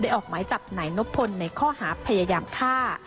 ได้ออกไหมจากไหนนกพลในข้อหาพยายามฆ่า